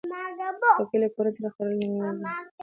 خټکی له کورنۍ سره خوړل نیکمرغي ده.